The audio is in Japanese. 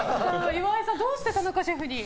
岩井さんどうして田中シェフに。